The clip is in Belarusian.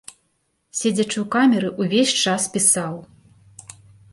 Седзячы ў камеры, увесь час пісаў.